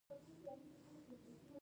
د دولتي ځمکو د غصب مخه نیول کیږي.